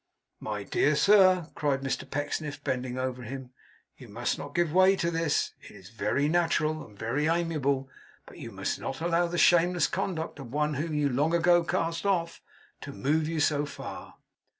'My dear sir,' cried Mr Pecksniff, bending over him, 'you must not give way to this. It is very natural, and very amiable, but you must not allow the shameless conduct of one whom you long ago cast off, to move you so far.